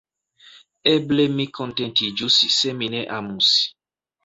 Eble mi kontentiĝus se mi ne amus.